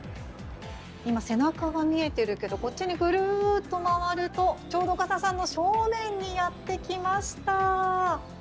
今、背中が見えてるけどこっちにぐるっと回るとちょうど岡田さんの正面にやってきました。